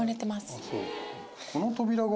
あっそう。